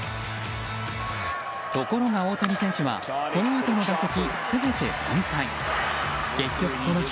ところが大谷選手はこのあとの打席